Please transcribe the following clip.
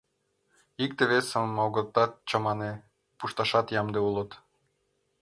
Икте-весым огытат чамане, пушташат ямде улыт.